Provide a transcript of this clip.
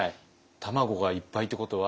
卵がいっぱいってことは？